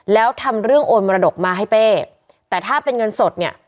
แล้วทำเรื่องโอนมรดกมาให้เป้แต่ถ้าเป็นเงินสดเนี่ย